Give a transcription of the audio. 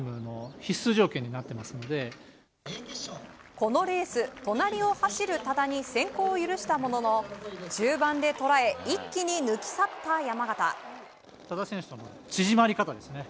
このレース、隣を走る多田に先行を許したものの中盤でとらえ一気に抜き去った山縣。